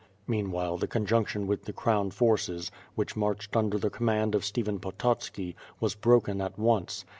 Meanwhile the conjunction with the crown forces, which marched under the command of Stephen Pototski, was broken at once.